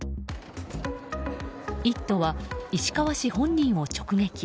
「イット！」は石川氏本人を直撃。